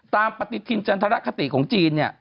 ปฏิทินจันทรคติของจีนเนี่ย